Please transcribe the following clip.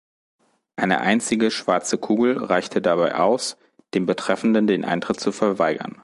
Eine einzige schwarze Kugel reichte dabei aus, dem Betreffenden den Eintritt zu verweigern.